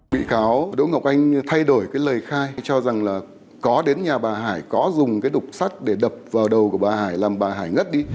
bị cáo cho rằng bà hải bị cáo đập vào đầu làm bà hải ngất đi